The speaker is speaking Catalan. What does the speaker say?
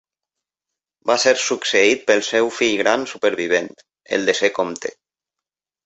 Va ser succeït pel seu fill gran supervivent, el desè comte.